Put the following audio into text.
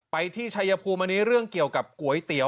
ไปที่ชัยภูมิอันนี้เรื่องเกี่ยวกับก๋วยเตี๋ย